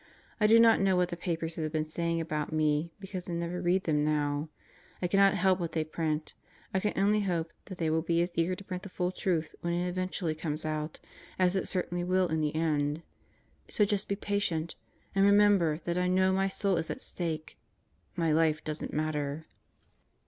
I do not know what the papers have been saying about me, because I never read them now. I cannot help what they print. I can only hope that they will be as eager to print the full truth when it eventually comes out, as it Out of the DeviFs Clutches 163 certainly will in the end. So just be patient and remember that I know my soul is at stake; my life doesn't matter.